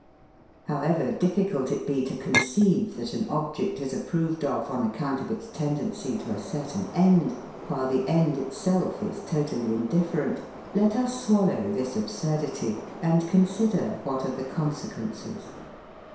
However difficult it be to conceive that an object is approved of on account of its tendency to a certain end, while the end itself is totally indifferent: let us swallow this absurdity, and consider what are the consequences.